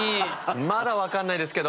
まだ分かんないですけど。